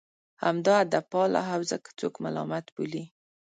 همدا ادبپاله حوزه که څوک ملامت بولي.